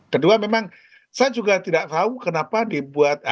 kedua memang saya juga tidak tahu kenapa dibuat